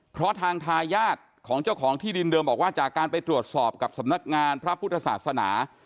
เพราะทางทายาทของเจ้าของที่ดินเดิมบอกว่าจากการไปตรวจสอบกับสำนักงานพระพุทธศาสนา